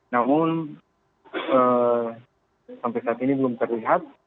namun sampai saat ini belum terlihat